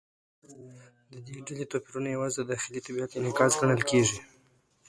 د دې ډلې توپیرونه یوازې د داخلي طبیعت انعکاس ګڼل کېږي.